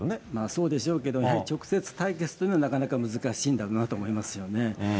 そうでしょうけどね、直接対決というのはなかなか難しいんだろうなと思いますよね。